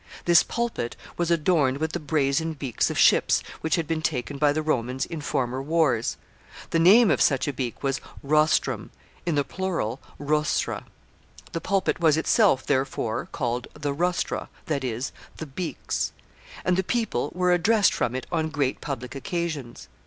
This pulpit was adorned with the brazen beaks of ships which had been taken by the Romans in former wars The name of such a beak was rostrum; in the plural, rostra. The pulpit was itself, therefore, called the Rostra, that is, The Beaks; and the people were addressed from it on great public occasions.